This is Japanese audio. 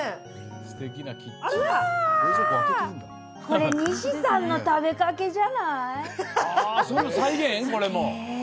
これ西さんの食べかけじゃない？すげー！